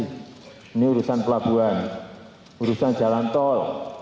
ini urusan pelabuhan urusan jalan tol